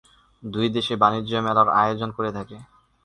দুই দেশই বাণিজ্য মেলার আয়োজন করে থাকে।